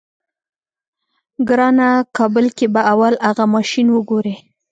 ګرانه کابل کې به اول اغه ماشين وګورې.